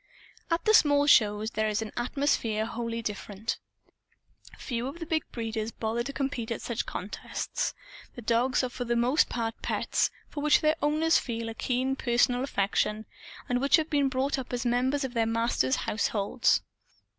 At the small shows, there is an atmosphere wholly different. Few of the big breeders bother to compete at such contests. The dogs are for the most part pets, for which their owners feel a keen personal affection, and which have been brought up as members of their masters' households.